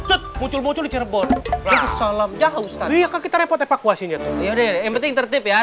kek muncul muncul cirebon salam ya ustadz kita repot evakuasinya yuri ini penting tertip ya